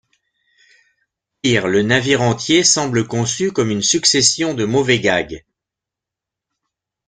Pire, le navire entier semble conçu comme une succession de mauvais gags.